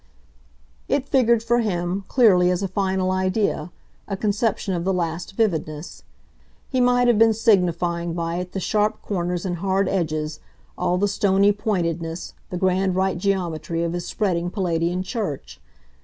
It figured for him, clearly, as a final idea, a conception of the last vividness. He might have been signifying by it the sharp corners and hard edges, all the stony pointedness, the grand right geometry of his spreading Palladian church.